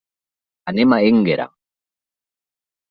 Anem a Énguera.